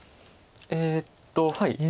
えっとはい。